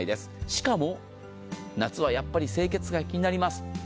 しかも、夏はやっぱり清潔か気になります。